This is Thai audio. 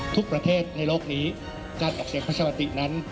ทุกประเทศในโลกนี้การออกเสียงประชามตินั้น